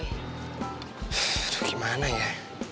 aduh gimana ya